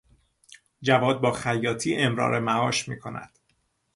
جواد با خیاطی امرار معاش میکند.